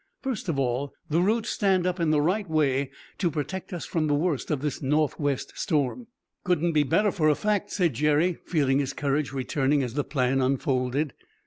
"First of all, the roots stand up in the right way to protect us from the worst of this northwest storm." "Couldn't be better, for a fact," said Jerry, feeling his courage returning as the plan unfolded.